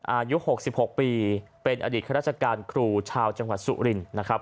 อายุหกสิบหกปีเป็นอดิษฐรรณชการครูชาวจังหวัดศุรินทร์นะครับ